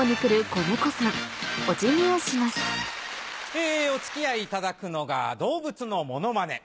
えお付き合いいただくのが動物のモノマネ。